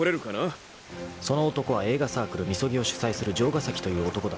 ［その男は映画サークル「ＭＩＳＯＧＩ」を主催する城ヶ崎という男だった］